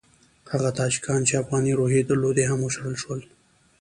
هغه تاجکان چې افغاني روحیې درلودې هم وشړل شول.